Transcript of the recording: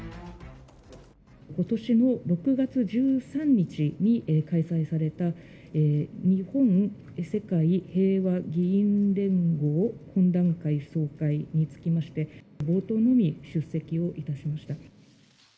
ことしの６月１３日に開催された、日本・世界平和議員連合懇談会総会につきまして、冒頭のみ、出席をいたしました。